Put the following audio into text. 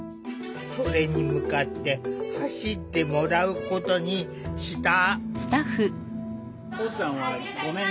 それに向かって走ってもらうことにした。